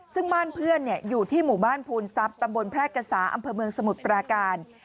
ซึ่งบ้านเพื่อนอยู่ที่หมู่บ้านภูนทรัพย์ตำบลแพร่กษาอำเภอเมืองสมุทรปราการ